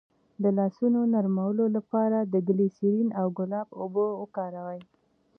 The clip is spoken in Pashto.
د لاسونو نرمولو لپاره د ګلسرین او ګلاب اوبه وکاروئ